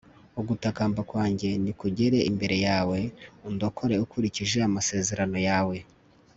ugutakamba kwanjye nikugere imbere yawe. undokore ukurikije amasezerano yawe